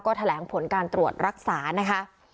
แถลงผลการตรวจรักษานะคะ